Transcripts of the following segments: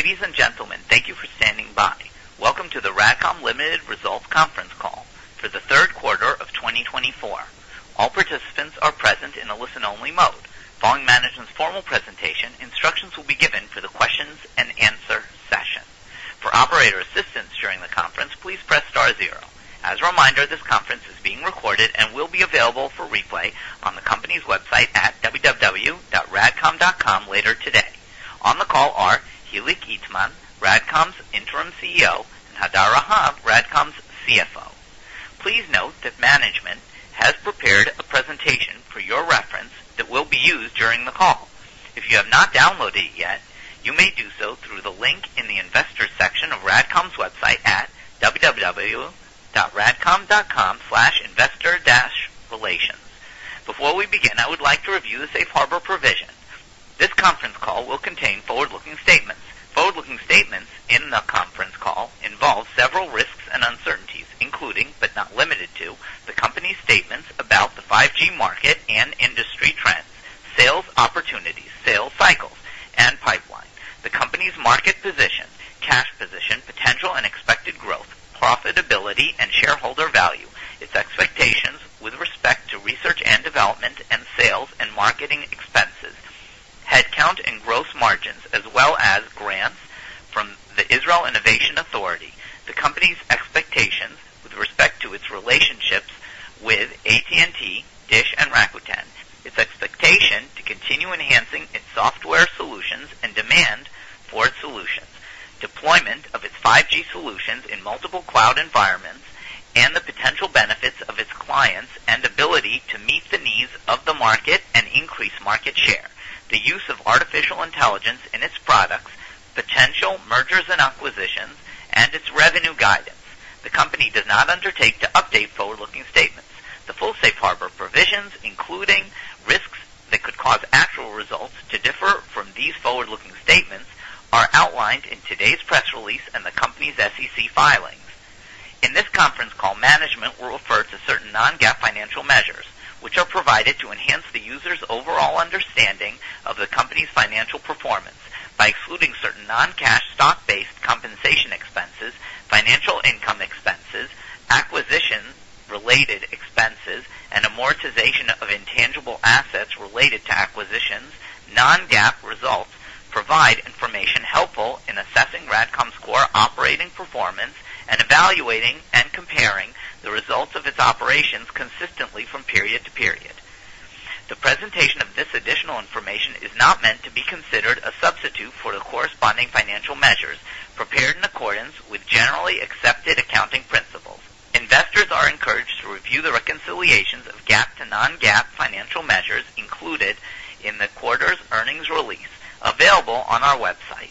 Ladies and gentlemen, thank you for standing by. Welcome to the RADCOM Limited Results Conference call for the third quarter of 2024. All participants are present in a listen-only mode. Following management's formal presentation, instructions will be given for the question and answer session. For operator assistance during the conference, please press star zero. As a reminder, this conference is being recorded and will be available for replay on the company's website at www.radcom.com later today. On the call are Hilik Itman, RADCOM's Interim CEO, and Hadar Rahav, RADCOM's CFO. Please note that management has prepared a presentation for your reference that will be used during the call. If you have not downloaded it yet, you may do so through the link in the investor section of RADCOM's website at www.radcom.com/investor-relations. Before we begin, I would like to review the safe harbor provision. This conference call will contain forward-looking statements. Forward-looking statements in the conference call involve several risks and uncertainties, including, but not limited to, the company's statements about the 5G market and industry trends, sales opportunities, sales cycles, and pipeline, the company's market position, cash position, potential and expected growth, profitability and shareholder value, its expectations with respect to research and development and sales and marketing expenses, headcount and gross margins, as well as grants from the Israel Innovation Authority, the company's expectations with respect to its relationships with AT&T, DISH, and Rakuten, its expectation to continue enhancing its software solutions and demand for solutions, deployment of its 5G solutions in multiple cloud environments, and the potential benefits of its clients and ability to meet the needs of the market and increase market share, the use of artificial intelligence in its products, potential mergers and acquisitions, and its revenue guidance. The company does not undertake to update forward-looking statements. The full safe harbor provisions, including risks that could cause actual results to differ from these forward-looking statements, are outlined in today's press release and the company's SEC filings. In this conference call, management will refer to certain non-GAAP financial measures, which are provided to enhance the user's overall understanding of the company's financial performance by excluding certain non-cash stock-based compensation expenses, financial income expenses, acquisition-related expenses, and amortization of intangible assets related to acquisitions. Non-GAAP results provide information helpful in assessing RADCOM's core operating performance and evaluating and comparing the results of its operations consistently from period to period. The presentation of this additional information is not meant to be considered a substitute for the corresponding financial measures prepared in accordance with generally accepted accounting principles. Investors are encouraged to review the reconciliations of GAAP to non-GAAP financial measures included in the quarter's earnings release available on our website.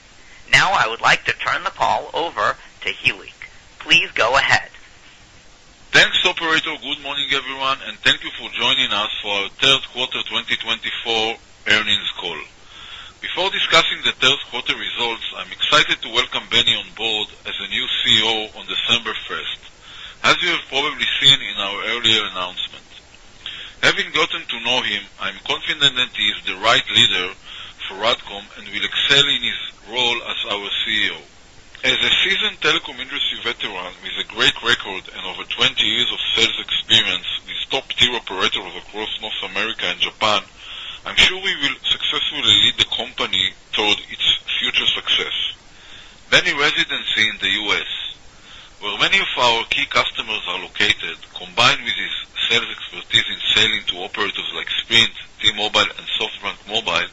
Now, I would like to turn the call over to Hilik. Please go ahead. Thanks, Operator. Good morning, everyone, and thank you for joining us for our third quarter 2024 earnings call. Before discussing the third quarter results, I'm excited to welcome Benny on board as a new CEO on December 1st, as you have probably seen in our earlier announcement. Having gotten to know him, I'm confident that he is the right leader for RADCOM and will excel in his role as our CEO. As a seasoned telecom industry veteran with a great record and over 20 years of sales experience with top-tier operators across North America and Japan, I'm sure we will successfully lead the company toward its future success. Benny's residency in the U.S., where many of our key customers are located, combined with his sales expertise in selling to operators like Sprint, T-Mobile, and SoftBank Mobile,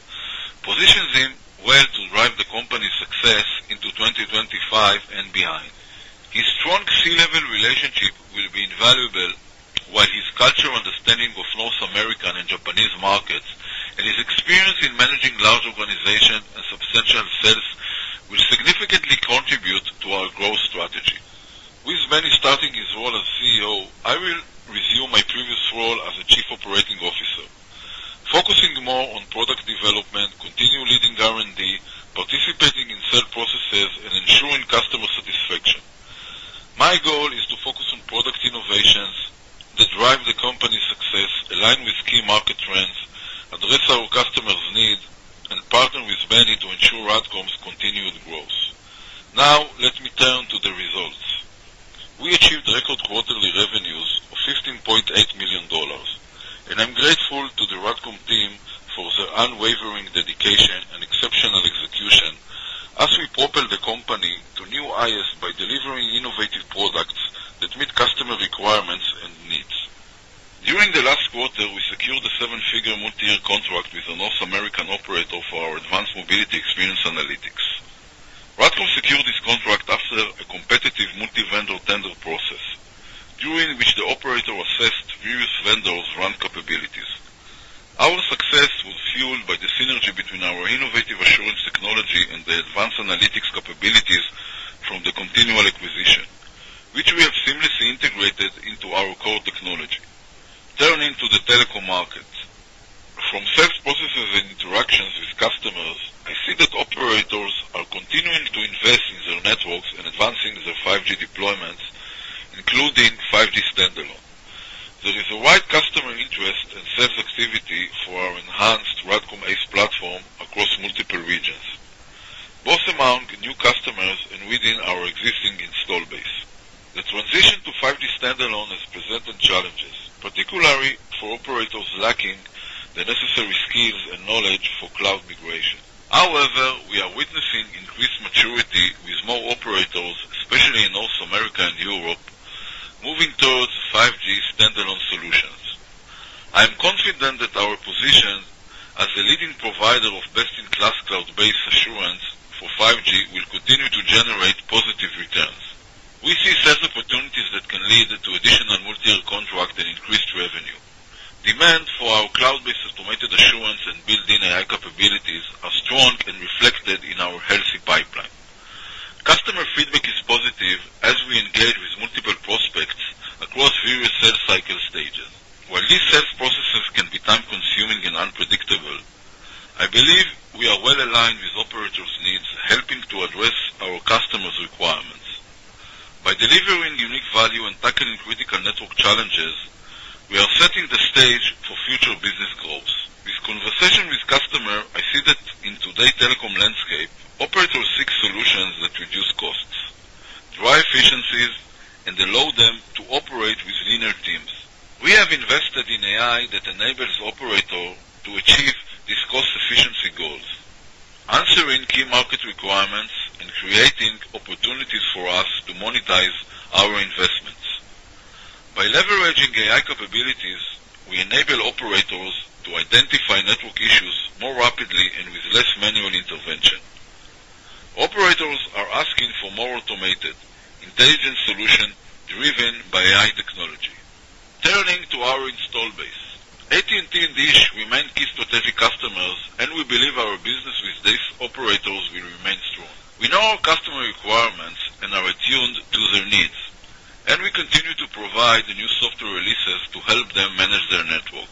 positions him well to drive the company's success into 2025 and beyond. His strong C-level relationship will be invaluable, while his cultural understanding of North American and Japanese markets and his experience in managing large organizations and substantial sales will significantly contribute Turning to the telecom market, from sales processes and interactions with customers, I see that operators are continuing to invest in their networks and advancing their 5G deployments, including 5G standalone. There is a wide customer interest and sales activity for our enhanced RADCOM ACE platform across multiple regions, both among new customers and within our existing install base. The transition to 5G standalone has presented challenges, particularly for operators lacking the necessary skills and knowledge for cloud migration. However, we are witnessing increased maturity with more operators, especially in North America and Europe, moving towards 5G standalone solutions. I am confident that these cost-efficiency goals, answering key market requirements and creating opportunities for us to monetize our investments. By leveraging AI capabilities, we enable operators to identify network issues more rapidly and with less manual intervention. Operators are asking for more automated, intelligent solutions driven by AI technology. Turning to our install base, AT&T and DISH remain key strategic customers, and we believe our business with these operators will remain strong. We know our customer requirements and are attuned to their needs, and we continue to provide new software releases to help them manage their network.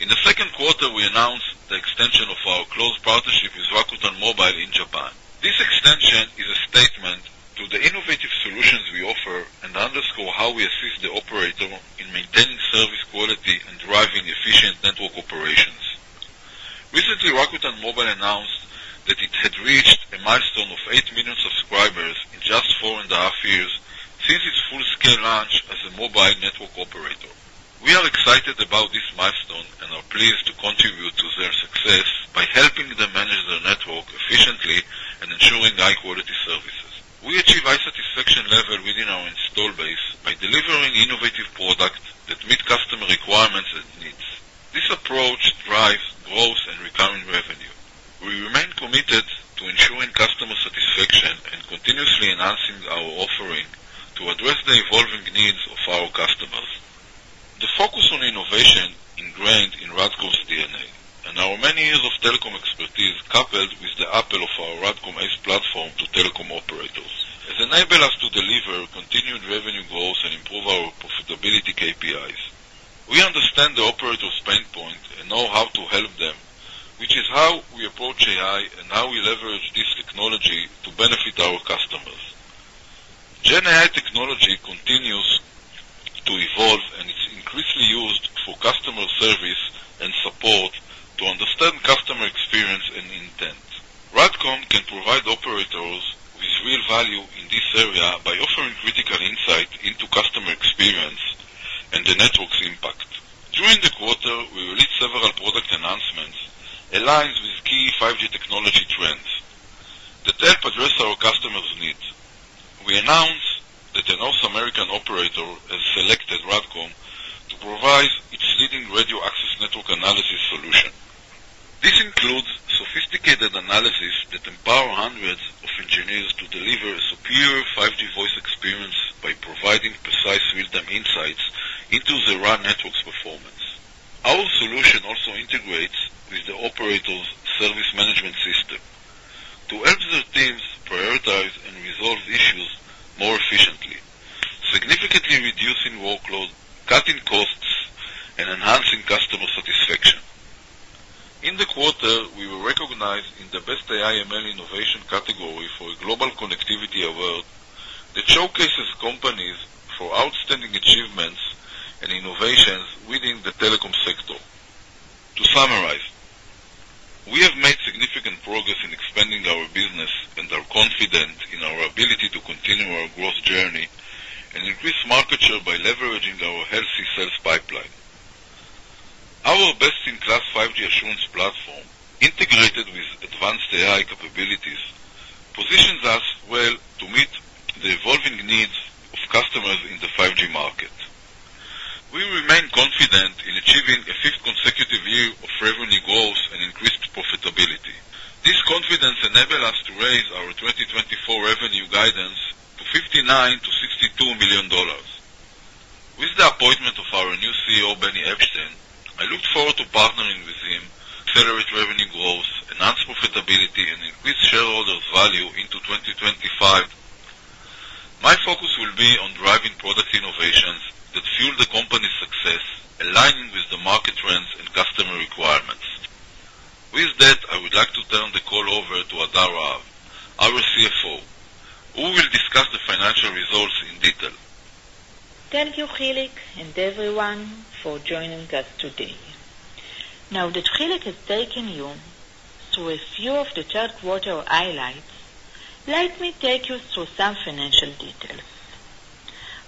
In the second quarter, we announced the extension of our close partnership with Rakuten Mobile in Japan. This extension is a statement to the innovative solutions we offer and underscores how we assist the operator in maintaining service quality and driving efficient network operations. Recently, Rakuten Mobile announced that it had reached a milestone of 8 million subscribers in just four and a half years since its full-scale launch as a mobile network operator. We are excited about this milestone and are pleased to contribute to their success by helping them manage their network efficiently and ensuring high-quality services. We achieve high satisfaction levels within our install base by delivering innovative products that meet customer requirements and needs. This approach drives growth and recurring revenue. We remain committed to ensuring customer satisfaction and continuously enhancing our offering to address the evolving summarize, we have made significant progress in expanding our business and are confident in our ability to continue our growth journey and increase market share by leveraging our healthy sales pipeline. Our best-in-class 5G assurance platform, integrated with advanced AI capabilities, positions us well to meet the evolving needs of customers in the 5G market. We remain confident in achieving a fifth consecutive year of revenue growth and increased profitability. This confidence enables us to raise our 2024 revenue guidance to $59-$62 million. With the appointment of our new CEO, Benny Eppstein, I look forward to partnering with him to accelerate revenue growth, enhance profitability, and increase shareholders' value into 2025. My focus will be on driving product innovations that fuel the company's success, aligning with the market trends and customer requirements. With that, I would like to turn the call over to Hadar Rahav, our CFO, who will discuss the financial results in detail. Thank you, Hilik and everyone, for joining us today. Now that Hilik has taken you through a few of the third quarter highlights, let me take you through some financial details.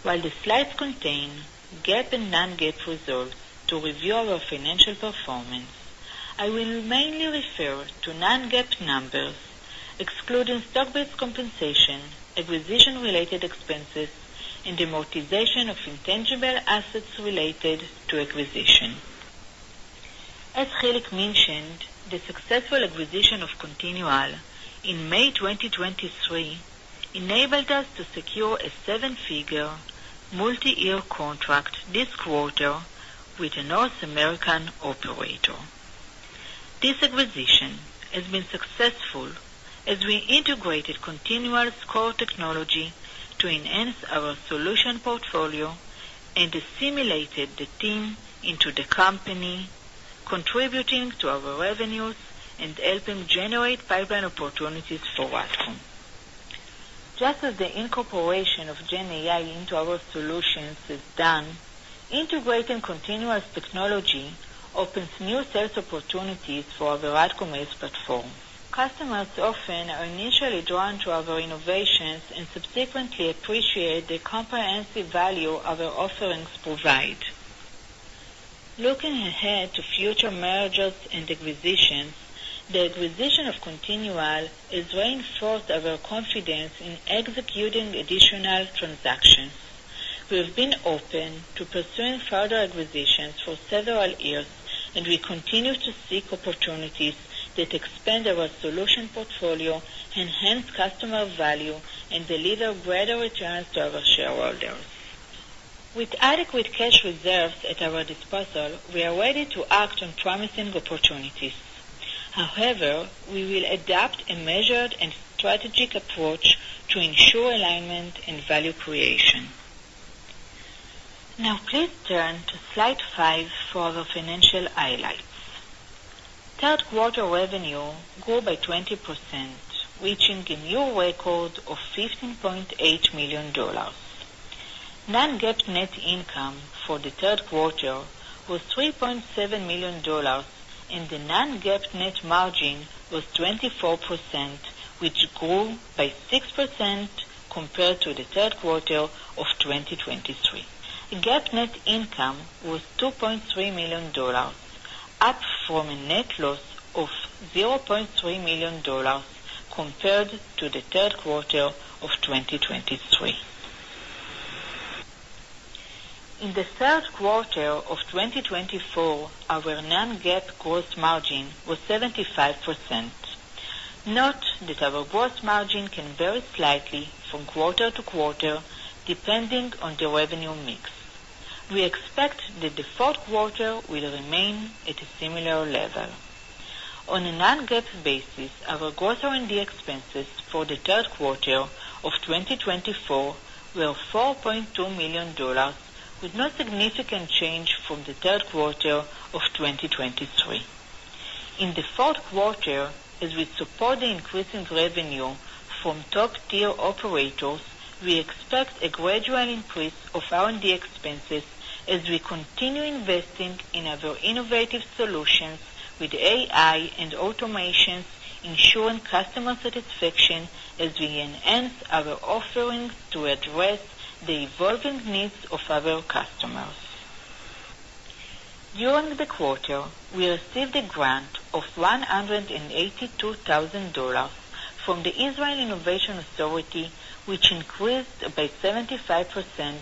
While the slides contain GAAP and non-GAAP results to review our financial performance, I will mainly refer to non-GAAP numbers, excluding stock-based compensation, acquisition-related expenses, and amortization of intangible assets related to acquisition. As Hilik mentioned, the successful acquisition of Continual in May 2023 enabled us to secure a seven-figure multi-year contract this quarter with a North American operator. This acquisition has been successful as we integrated Continual's core technology to enhance our solution portfolio and assimilated the team into the company, contributing to our revenues and helping generate pipeline opportunities for RADCOM. Just as the incorporation of GenAI into our solutions is done, integrating Continual's technology opens new sales opportunities for our RADCOM ACE platform. Customers often are initially drawn to our innovations and subsequently appreciate the comprehensive value our offerings provide. Looking ahead to future mergers and acquisitions, the acquisition of Continual has reinforced our confidence in executing additional transactions. We have been open to pursuing further acquisitions for several years, and we continue to seek opportunities that expand our solution portfolio, enhance customer value, and deliver greater returns to our shareholders. With adequate cash reserves at our disposal, we are ready to act on promising opportunities. However, we will adopt a measured and strategic approach to ensure alignment and value creation. Now, please turn to slide five for the financial highlights. Third quarter revenue grew by 20%, reaching a new record of $15.8 million. Non-GAAP net income for the third quarter was $3.7 million, and the non-GAAP net margin was 24%, which grew by 6% compared to the third quarter of 2023. GAAP net income was $2.3 million, up from a net loss of $0.3 million compared to the third quarter of 2023. In the third quarter of 2024, our non-GAAP gross margin was 75%. Note that our gross margin can vary slightly from quarter to quarter, depending on the revenue mix. We expect that the fourth quarter will remain at a similar level. On a non-GAAP basis, our gross R&D expenses for the third quarter of 2024 were $4.2 million, with no significant change from the third quarter of 2023. In the fourth quarter, as we support the increase in revenue from top-tier operators, we expect a gradual increase of R&D expenses as we continue investing in our innovative solutions with AI and automations, ensuring customer satisfaction as we enhance our offerings to address the evolving needs of our customers. During the quarter, we received a grant of $182,000 from the Israel Innovation Authority, which increased by 75%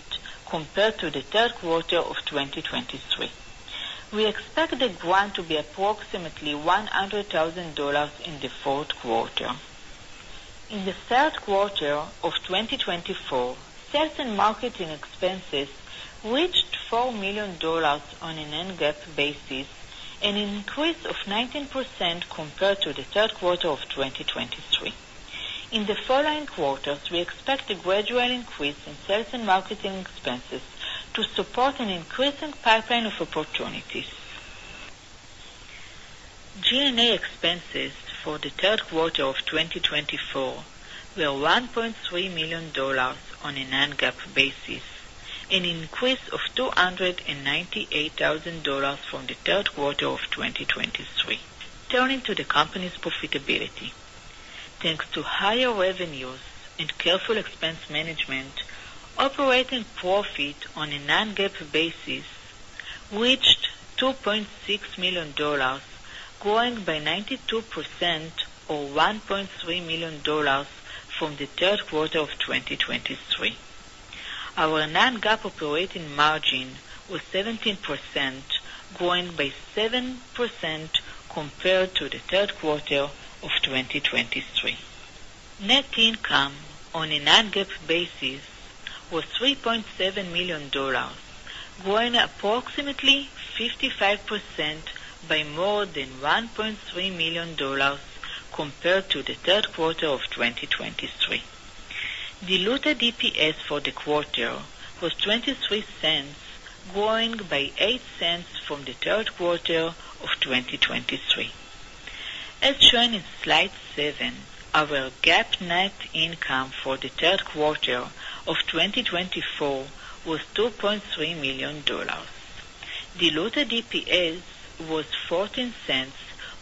compared to the third quarter of 2023. We expect the grant to be approximately $100,000 in the fourth quarter. In the third quarter of 2024, sales and marketing expenses reached $4 million on a Non-GAAP basis, an increase of 19% compared to the third quarter of 2023. In the following quarters, we expect a gradual increase in sales and marketing expenses to support an increasing pipeline of opportunities. GenAI expenses for the third quarter of 2024 were $1.3 million on a Non-GAAP basis, an increase of $298,000 from the third quarter of 2023. Turning to the company's profitability, thanks to higher revenues and careful expense management, operating profit on a Non-GAAP basis reached $2.6 million, growing by 92% or $1.3 million from the third quarter of 2023. Our non-GAAP operating margin was 17%, growing by 7% compared to the third quarter of 2023. Net income on a non-GAAP basis was $3.7 million, growing approximately 55% by more than $1.3 million compared to the third quarter of 2023. Diluted EPS for the quarter was $0.23, growing by $0.08 from the third quarter of 2023. As shown in slide seven, our GAAP net income for the third quarter of 2024 was $2.3 million. Diluted EPS was $0.14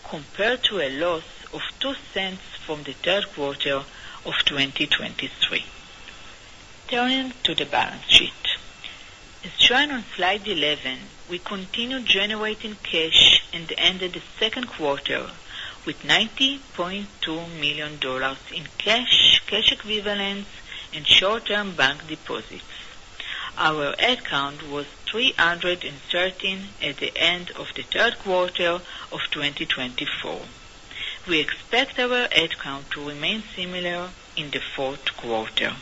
compared to a loss of $0.02 from the third quarter of 2023. Turning to the balance sheet, as shown on slide 11, we continued generating cash and ended the second quarter with $90.2 million in cash, cash equivalents, and short-term bank deposits. Our headcount was 313 at the end of the third quarter of 2024. We expect our headcount to remain similar in the fourth quarter.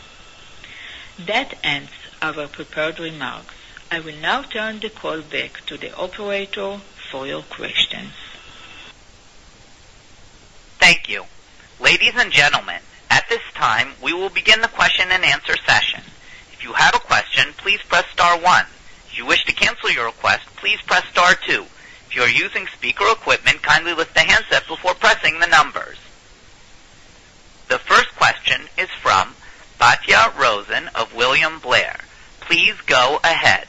That ends our prepared remarks. I will now turn the call back to the operator for your questions. Thank you. Ladies and gentlemen, at this time, we will begin the question-and-answer session. If you have a question, please press star one. If you wish to cancel your request, please press star two. If you are using speaker equipment, kindly lift the handset before pressing the numbers. The first question is from Batya Rosen of William Blair. Please go ahead.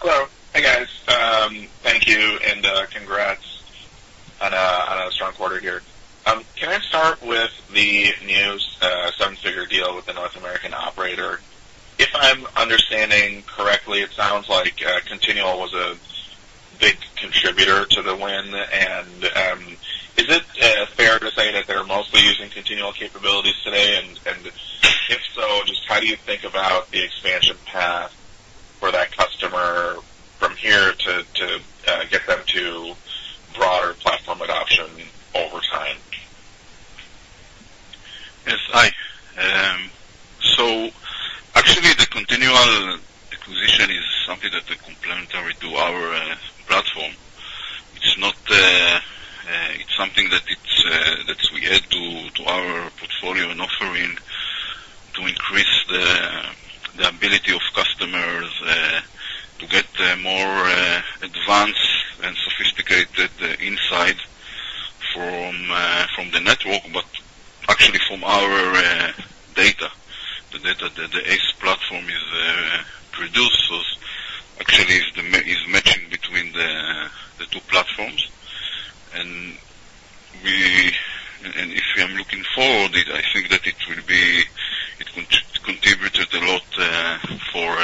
Hello. Hey, guys. Thank you and congrats on a strong quarter here. Can I start with the new seven-figure deal with the North American operator? If I'm understanding correctly, it sounds like Continual was a big contributor to the win. And is it fair to say that they're mostly using Continual capabilities today? And if so, just how do you think about the expansion path for that customer from here to get them to broader platform adoption over time? Yes, hi. So actually, the Continual acquisition is something that's complementary to our platform. It's something that we add to our portfolio and offering to increase the ability of customers to get more advanced and sophisticated insight from the network, but actually from our data, the data that the ACE platform produces actually is matching between the two platforms. And if I'm looking forward, I think that it will be it contributed a lot for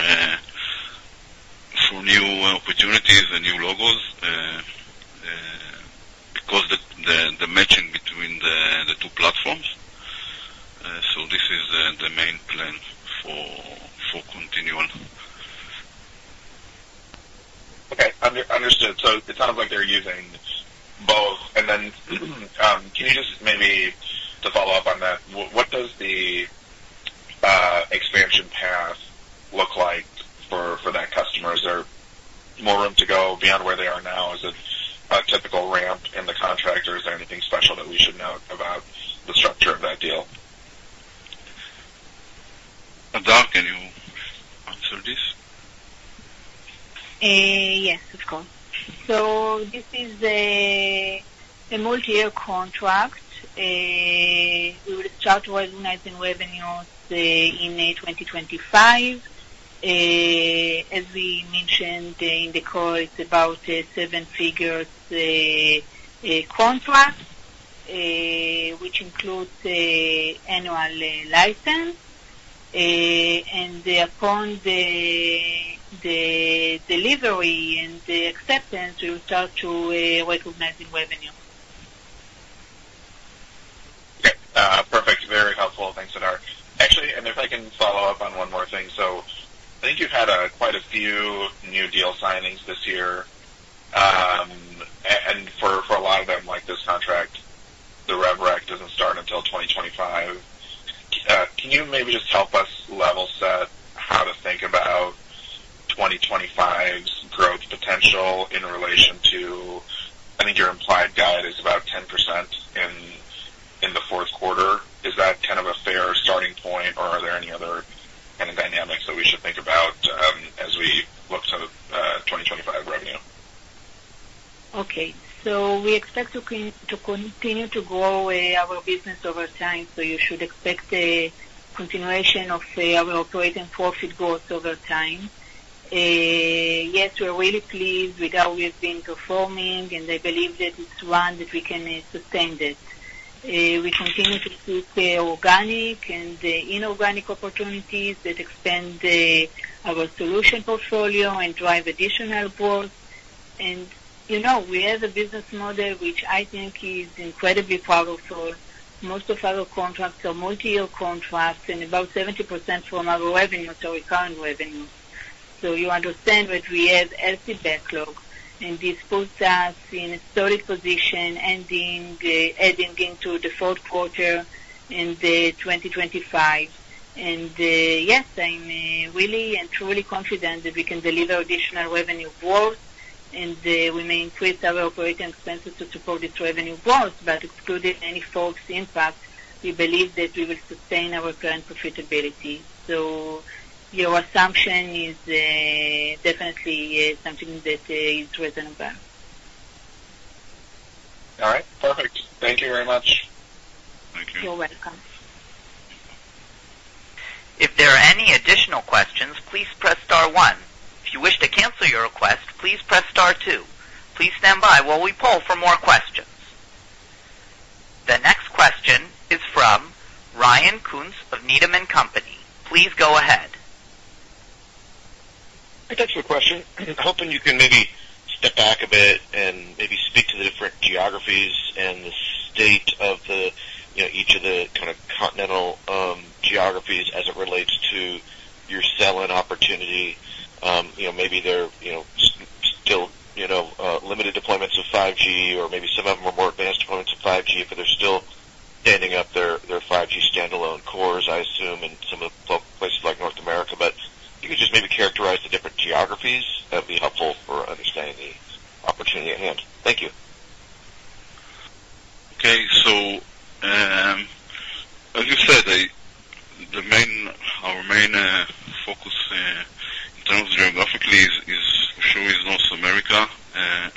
new opportunities and new logos because of the matching between the two platforms. So this is the main plan for Continual. Okay. Understood. So it sounds like they're using both. And then can you just maybe to follow up on that, what does the expansion path look like for that customer? Is there more room to go beyond where they are now? Is it a typical ramp in the contract, or is there anything special that we should note about the structure of that deal? Hadar, can you answer this? Yes, of course. So this is a multi-year contract. We will start to recognize the revenues in 2025. As we mentioned in the call, it's about a seven-figure contract, which includes annual license. And upon the delivery and the acceptance, we will start to recognize the revenue. Okay. Perfect. Very helpful. Thanks, Hadar. Actually, and if I can follow up on one more thing. So I think you've had quite a few new deal signings this year. And for a lot of them, like this contract, the rollout doesn't start until 2025. Can you maybe just help us level set how to think about 2025's growth potential in relation to I think your implied guide is about 10% in the fourth quarter. Is that kind of a fair starting point, or are there any other kind of dynamics that we should think about as we look to 2025 revenue? Okay. So we expect to continue to grow our business over time, so you should expect the continuation of our operating profit growth over time. Yes, we're really pleased with how we've been performing, and I believe that it's one that we can sustain this. We continue to seek organic and inorganic opportunities that extend our solution portfolio and drive additional growth. And we have a business model which I think is incredibly powerful. Most of our contracts are multi-year contracts, and about 70% from our revenues are recurring revenues. So you understand that we have healthy backlog, and this puts us in a solid position, adding into the fourth quarter in 2025. And yes, I'm really and truly confident that we can deliver additional revenue growth, and we may increase our operating expenses to support this revenue growth. But excluding any false impact, we believe that we will sustain our current profitability. So your assumption is definitely something that is reasonable. All right. Perfect. Thank you very much. Thank you. You're welcome. If there are any additional questions, please press star one. If you wish to cancel your request, please press star two. Please stand by while we pull for more questions. The next question is from Ryan Koontz of Needham & Company. Please go ahead. I got you a question. I'm hoping you can maybe step back a bit and maybe speak to the different geographies and the state of each of the kind of continental geographies as it relates to your selling opportunity. Maybe they're still limited deployments of 5G, or maybe some of them are more advanced deployments of 5G, but they're still standing up their 5G standalone cores, I assume, in some of the places like North America. But if you could just maybe characterize the different geographies, that would be helpful for understanding the opportunity at hand. Thank you. Okay. So as you said, our main focus in terms of geographically is, for sure, North America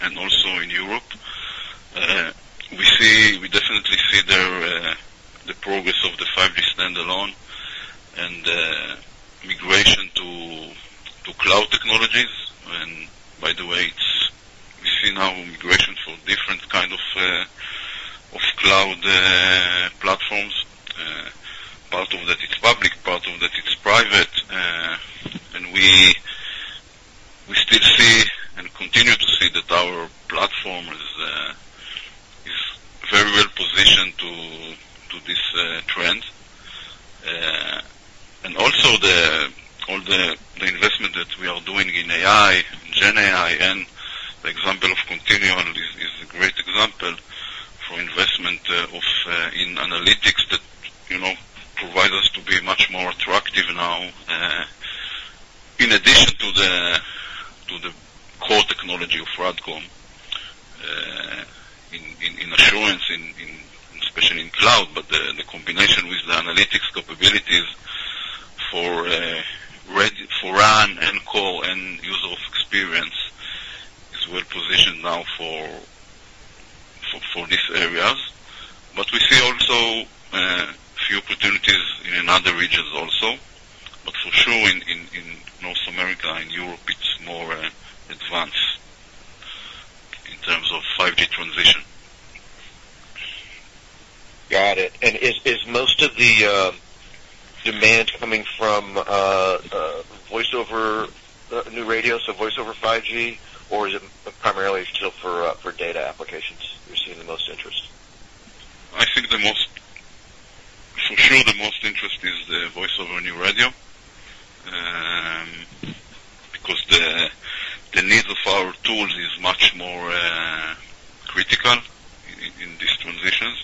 and also in Europe. We definitely see the progress of the 5G standalone and migration to cloud technologies. And by the way, we see now migration for different kinds of cloud platforms, part of that is public, part of that is private. And we still see and continue to see that our platform is very well positioned to this trend. And also, all the investment that we are doing in AI, GenAI, and the example of Continual is a great example for investment in analytics that provides us to be much more attractive now, in addition to the core technology of RADCOM in assurance, especially in cloud, but the combination with the analytics capabilities for RAN and Core and user experience is well positioned now for these areas. But we see also a few opportunities in other regions also. But for sure, in North America and Europe, it's more advanced in terms of 5G transition. Got it. And is most of the demand coming from Voice over New Radio, so Voice over 5G, or is it primarily still for data applications you're seeing the most interest? I think for sure the most interest is Voice over New Radio because the needs of our tools are much more critical in these transitions.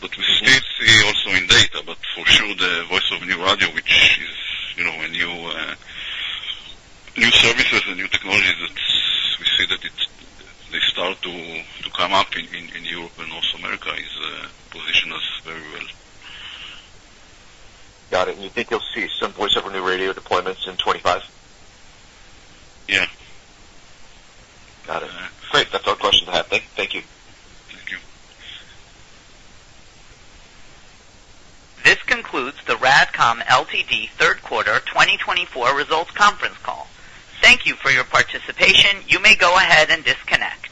But we still see also in data, but for sure the Voice over New Radio, which is a new service, a new technology that we see that they start to come up in Europe and North America, is positioned us very well. Got it. And you think you'll see some Voice over New Radio deployments in 2025? Yeah. Got it. Great. That's all the questions I have. Thank you. Thank you. This concludes the RADCOM Ltd. third quarter 2024 results conference call. Thank you for your participation. You may go ahead and disconnect.